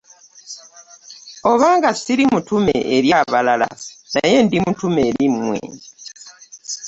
Oba nga ssiri mutume eri abalala, naye ndi mutume eri mmwe.